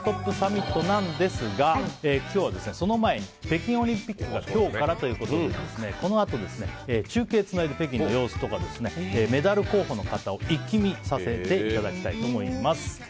サミットなんですが今日はその前に北京オリンピックが今日からということでこのあと、中継をつないで北京の様子とかメダル候補の方を一気見させていただきたいと思います。